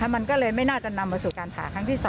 มันก็เลยไม่น่าจะนำมาสู่การผ่าครั้งที่๒